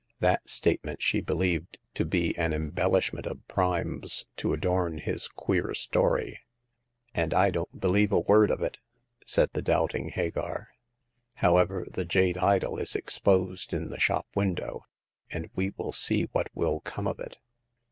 That statement she believed to ber an embellishment of Prime's to adorn his qij^r story. And I don't believe a word of it !*' said the doubting Hagar. However, the jade idol is exposed in the shop window, and we will see what will come of it."